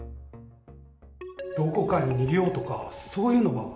どこかに逃げようとか、そういうのは？